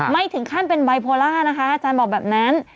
ไม่ถึงขั้นเป็นไบโพล่านะคะอาจารย์บอกแบบนั้น